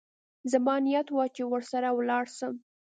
زما نيت و چې ورسره ولاړ سم.